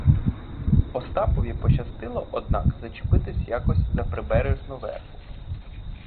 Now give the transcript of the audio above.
Остапові пощастило, однак, зачепитись якось за прибережну вербу.